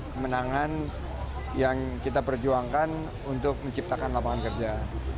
kemenangan yang kita perjuangkan untuk menciptakan lapangan kerja